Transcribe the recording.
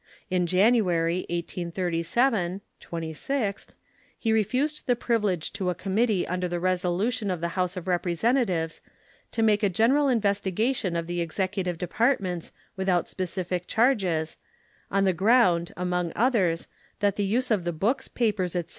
In January, 1837 (26th), he refused the privilege to a committee under a resolution of the House of Representatives to make a general investigation of the Executive Departments without specific charges, on the ground, among others, that the use of the books, papers, etc.